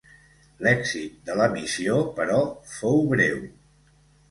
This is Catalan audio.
L'èxit de la missió, però fou breu.